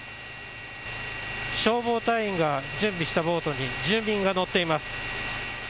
消防隊員が準備したボートに住民が乗っています。